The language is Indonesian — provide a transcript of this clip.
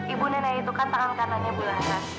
ibu nena itu kan tangan kanannya bu laras